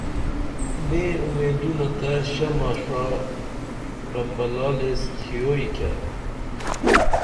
مئیں اُومیدونہ تہ شمع ݜا پرمبلال ایس تھیوئی کیہ